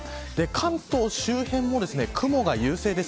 関東周辺も雲が優勢です。